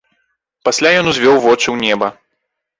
Пасля ён узвёў вочы ў неба.